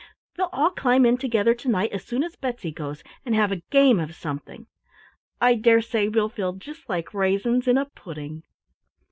We'll all climb in together to night as soon as Betsy goes, and have a game of something I dare say we'll feel just like raisins in a pudding!"